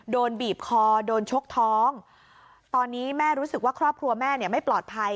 บีบคอโดนชกท้องตอนนี้แม่รู้สึกว่าครอบครัวแม่เนี่ยไม่ปลอดภัย